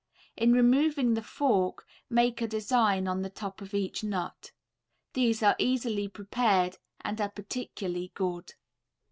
In removing the fork make a design on the top of each nut. These are easily prepared and are particularly good.